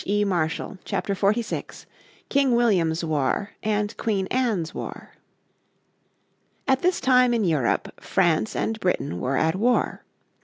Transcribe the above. __________ Chapter 46 King William's War and Queen Anne's War At this time in Europe France and Britain were at war.